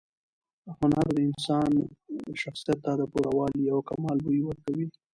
هنر د انسان شخصیت ته د پوره والي او کمال بوی ورکوي.